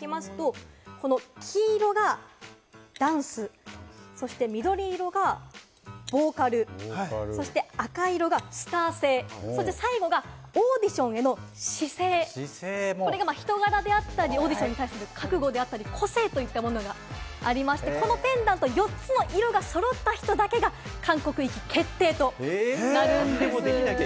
色にそれぞれ意味がありまして、ご紹介させていただきますと、黄色がダンス、そして緑色がボーカル、そして赤色がスター性、そして最後がオーディションへの姿勢、これが人柄であったり、オーディションに対する覚悟であったり個性といったものがありまして、ペンダント４つの色が揃った人だけが韓国行き決定となるんです。